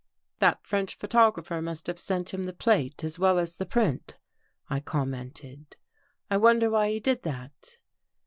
" That French photographer must have sent him the plate as well as the print," I commented. " I wonder why he did that."